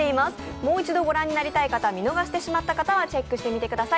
もう一度御覧になりたい方、見逃してしまった方はチェックしてみてください。